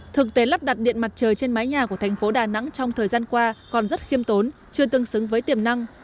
thực tế lắp đặt điện mặt trời trên mái nhà của thành phố đà nẵng trong thời gian qua còn rất khiêm tốn chưa tương xứng với tiềm năng